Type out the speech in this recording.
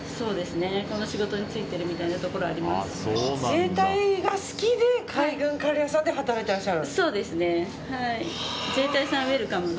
自衛隊が好きで海軍カレー屋さんで働いていらっしゃる？